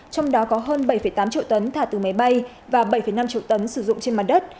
trong đó có hơn bảy tám triệu tấn thả từ máy bay và bảy năm triệu tấn sử dụng trên mặt đất